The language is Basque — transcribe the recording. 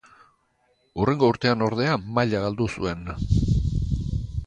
Hurrengo urtean ordea maila galdu zuen.